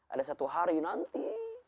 ada satu hari nanti